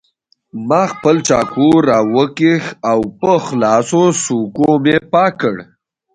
ما خپل چاقو راوکېښ او په خلاصو څوکو مې پاک کړ.